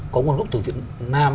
có nguồn gốc từ việt nam